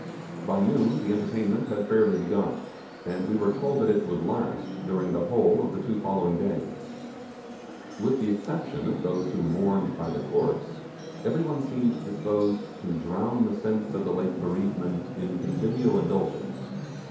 By noon the entertainment had fairly begun and we were told that it would last during the whole of the two following days. With the exception of those who mourned by the corpse, every one seemed disposed to drown the sense of the late bereavement in convivial indulgence.